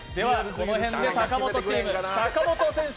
この辺で阪本チーム、阪本選手